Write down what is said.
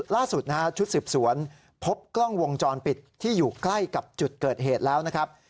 ล่าสุดนะฮะชุดสืบสวนพบกล้องวงจรปิดที่อยู่ใกล้กับจุดเกิดเหตุแล้วนะครับ